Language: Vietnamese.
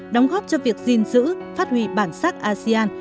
đóng góp cho việc dinh dữ phát huy bản sắc asean